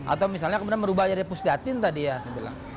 atau misalnya kemudian merubahnya di pusdatin tadi ya